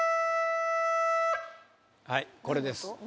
はいこれです